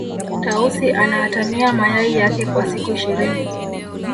tausi anaatamia mayai yake kwa siku ishirini